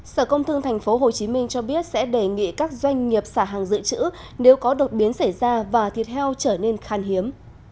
sở công thương tp hcm cho biết sẽ đề nghị các doanh nghiệp xả hàng dự trữ nếu có đột biến xảy ra và thịt heo trở nên khan hiếm